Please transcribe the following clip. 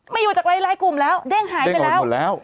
ไม่อยู่จากหลายกลุ่มแล้วเด้งหายไปแล้ว